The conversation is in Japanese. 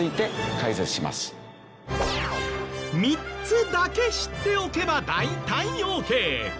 ３つだけ知っておけば大体オーケー。